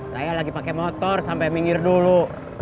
saya lagi pakai motor sampai minggir dulu